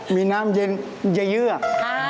มีน้ำเย็นจะเยือก